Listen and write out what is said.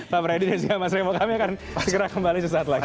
pak brady dan segala masyarakat kami akan segera kembali sesaat lagi